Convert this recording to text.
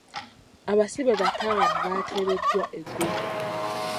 Abasibe bataano baateeredwa egulo